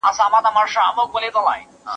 ¬ انسان د احسان تابع دئ.